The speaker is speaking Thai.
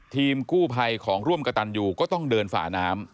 ทีมกู้ภัยของร่วมกระตันยูก็ต้องเดินฝาน้ำ